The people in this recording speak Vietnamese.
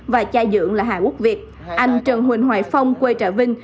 và cha dưỡng là hà quốc việt anh trần huỳnh hoài phong quê trà vinh